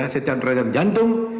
setelah rekam jantung